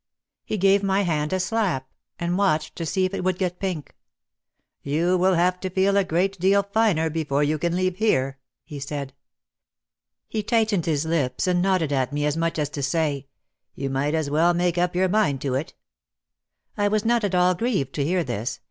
He gave my hand a slap and watched to see if it would get pink. "You will have to feel a great deal 'finer' before you can leave here," he said. He tightened his lips and nodded at me as much as to say, "You might as well make up your mind to it." I was not at all grieved to hear this.